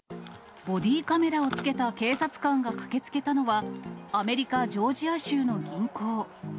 ボディーカメラをつけた警察官が駆けつけたのは、アメリカ・ジョージア州の銀行。